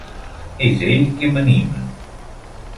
És ell qui m'anima.